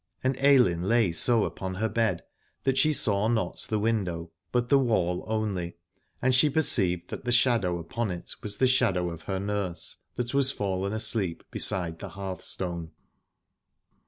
And Ailinn lay so upon her bed that she saw not the window, but the wall only, and she perceived that the shadow upon it was the shadow of her nurse, that was fallen asleep beside the hearthstone.